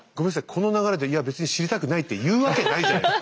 この流れで「いや別に知りたくない」って言うわけないじゃないですか。